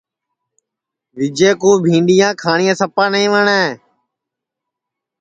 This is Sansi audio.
وجئے کُو بھینٚڈؔیاں کھاٹؔیاں سپا نائی وٹؔتیاں ہے